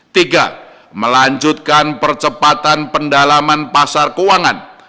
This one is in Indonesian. tiga melanjutkan percepatan pendalaman pasar keuangan